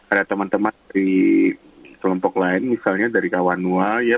ada teman teman di kelompok lain misalnya dari kawanua ya